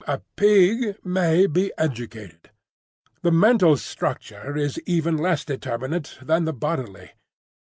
A pig may be educated. The mental structure is even less determinate than the bodily.